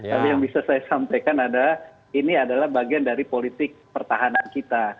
tapi yang bisa saya sampaikan adalah ini adalah bagian dari politik pertahanan kita